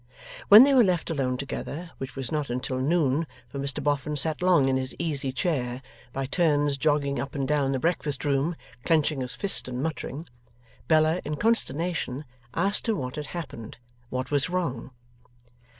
When they were left alone together which was not until noon, for Mr Boffin sat long in his easy chair, by turns jogging up and down the breakfast room, clenching his fist and muttering Bella, in consternation, asked her what had happened, what was wrong?